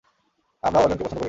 আমরাও অরল্যানকে পছন্দ করি না!